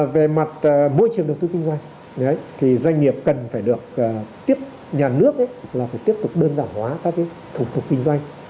về mặt môi trường đầu tư kinh doanh thì doanh nghiệp cần phải được tiếp nhà nước là phải tiếp tục đơn giản hóa các thủ tục kinh doanh